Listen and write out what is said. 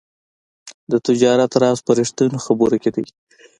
د تجارت راز په رښتیني خبرو کې دی.